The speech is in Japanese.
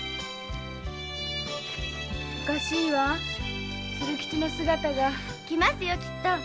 おかしいわ鶴吉の姿が。来ますよきっと。